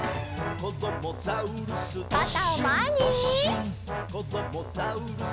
「こどもザウルス